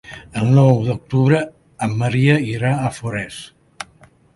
El nou d'octubre en Maria irà a Forès.